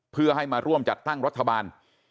เพื่อให้มาร่วมจัดตั้งรัฐบาล